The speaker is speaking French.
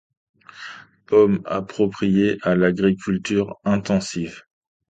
Pomme appropriée à l'agriculture intensive.